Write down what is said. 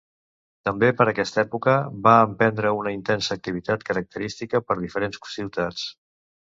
També per aquesta època, va emprendre una intensa activitat concertística per diferents ciutats.